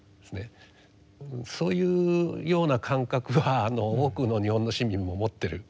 そういうような感覚は多くの日本の市民も持ってると思うんですね。